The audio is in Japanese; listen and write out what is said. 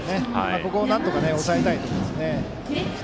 ここをなんとか抑えたいところですね。